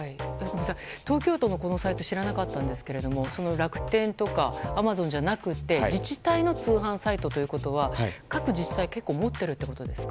東京都のこのサイト知らなかったんですが楽天とか、アマゾンじゃなくて自治体の通販サイトということは各自治体結構持ってるってことですか？